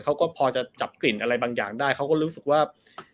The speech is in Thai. เขาก็พอจะจับกลิ่นอะไรบางอย่างได้เขาก็รู้สึกว่า